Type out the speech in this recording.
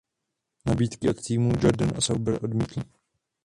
Nabídky od týmů Jordan a Sauber odmítl.